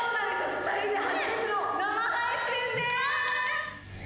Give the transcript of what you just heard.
２人で初めての生配信です。